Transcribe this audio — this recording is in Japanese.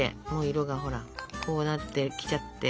色がほらこうなってきちゃって。